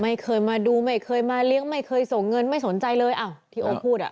ไม่เคยมาดูไม่เคยมาเลี้ยงไม่เคยส่งเงินไม่สนใจเลยอ้าวที่โอ๊คพูดอ่ะ